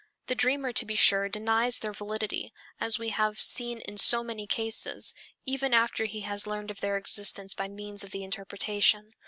The dreamer to be sure denies their validity, as we have seen in so many cases, even after he has learned of their existence by means of the interpretation.